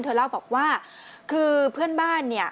เธอเล่าบอกว่าคือเพื่อนบ้านเนี่ย